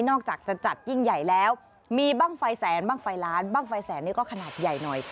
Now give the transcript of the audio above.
อกจากจะจัดยิ่งใหญ่แล้วมีบ้างไฟแสนบ้างไฟล้านบ้างไฟแสนนี่ก็ขนาดใหญ่หน่อย